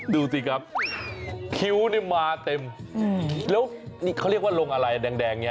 ดูสิครับคิ้วนี่มาเต็มแล้วนี่เขาเรียกว่าลงอะไรแดงอย่างนี้